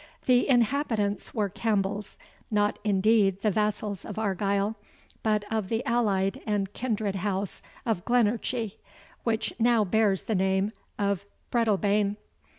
The inhabitants were Campbells, not indeed the vassals of Argyle, but of the allied and kindred house of Glenorchy, which now bears the name of Breadalbane.